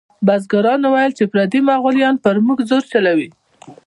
بزګرانو ویل چې پردي مغولیان پر موږ زور چلوي.